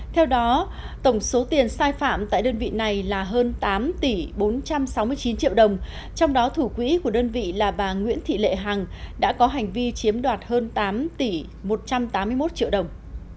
theo đó tổng số tiền sai phạm tại đơn vị này là hơn tám tỷ bốn trăm sáu mươi chín triệu đồng trong đó thủ quỹ của đơn vị là bà nguyễn thị lệ hằng đã có hành vi chiếm đoạt hơn tám tỷ một trăm tám mươi một triệu đồng